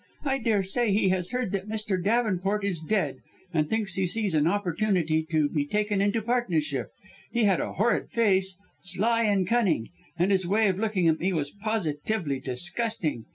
I daresay he has heard that Mr. Davenport is dead, and thinks he sees an opportunity to be taken into partnership. He had a horrid face sly and cunning, and his way of looking at me was positively disgusting.